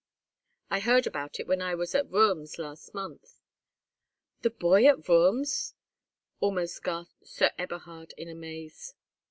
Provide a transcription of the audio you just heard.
I heard about it when I was at Wurms last month." "The boy at Wurms?" almost gasped Sir Eberhard in amaze.